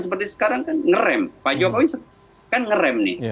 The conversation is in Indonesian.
seperti sekarang kan ngerem pak jokowi kan ngerem nih